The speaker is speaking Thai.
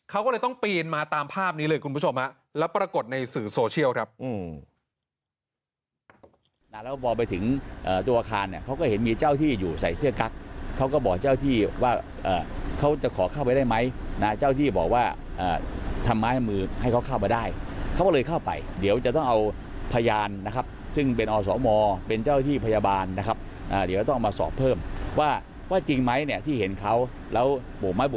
เขาก็เลยต้องปีนมาตามภาพนี้เลยคุณผู้ชมแล้วปรากฏในสื่อโซเชียลครับ